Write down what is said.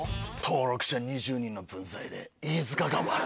登録者２０人の分際で飯塚が悪い。